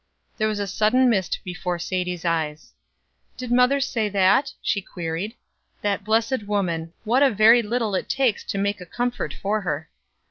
There was a sudden mist before Sadie's eyes. "Did mother say that?" she queried. "The blessed woman, what a very little it takes to make a comfort for her.